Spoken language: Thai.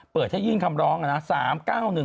เปิดให้ยื่นคำร้องนะ๓๙๑คู่